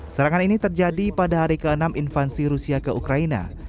serangan ini terjadi pada hari ke enam invasi rusia ke ukraina